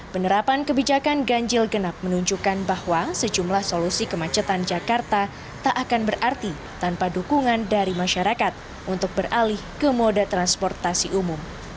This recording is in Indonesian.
penerapan kebijakan ganjil genap menunjukkan bahwa sejumlah solusi kemacetan jakarta tak akan berarti tanpa dukungan dari masyarakat untuk beralih ke moda transportasi umum